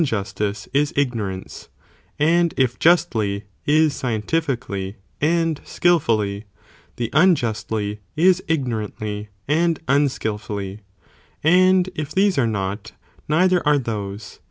'THE TOPICS, ~ 401 justice is ignorance, and if justly, is scientifically, and skilfully, the unjustly, is ignorantly, and unskilfully, and if these are not, neither are those